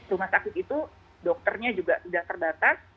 rumah sakit itu dokternya juga sudah terbatas